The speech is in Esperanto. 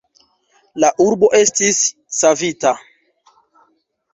La urbo estis savita.